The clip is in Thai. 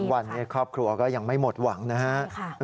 วันครอบครัวก็ยังไม่หมดหวังนะครับ